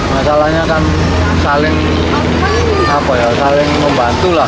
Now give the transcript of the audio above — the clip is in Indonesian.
masalahnya kan saling apa ya saling membantu lah